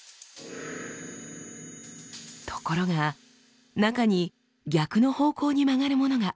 ところが中に逆の方向に曲がるものが。